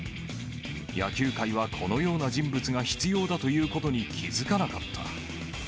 野球界は、このような人物が必要だということに気付かなかった。